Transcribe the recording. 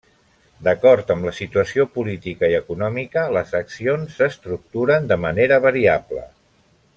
D'acord amb la situació política i econòmica, les accions s'estructuren de manera variable.